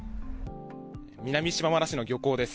南島原市の漁港です。